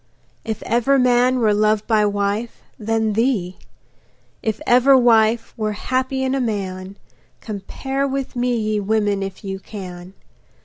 If ever man were loved by wife, then thee; If ever wife were happy in a man, Compare with me, ye women, if you can.